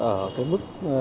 ở cái mức